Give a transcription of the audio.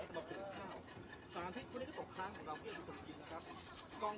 แม่งให้อธิบายนะจานฟัง